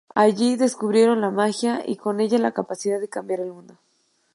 Allí descubrieron la magia, y con ella la capacidad de cambiar el mundo.